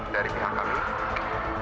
dari pihak kami